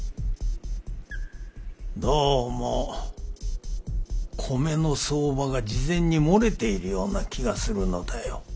どうも米の相場が事前に漏れているような気がするのだよ。